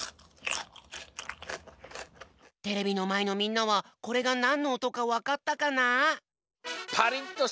テレビのまえのみんなはこれがなんのおとかわかったかな？